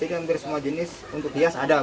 jadi hampir semua jenis untuk hias ada